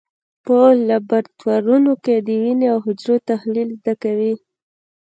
په لابراتوارونو کې د وینې او حجرو تحلیل زده کوي.